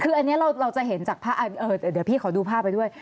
คืออันนี้เราจะเห็นจากภาพเดี๋ยวพี่ขอดูภาพไปด้วย